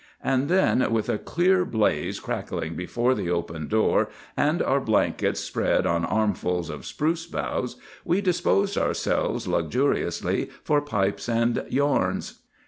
And then with a clear blaze crackling before the open door, and our blankets spread on armfuls of spruce boughs, we disposed ourselves luxuriously for pipes and yarns.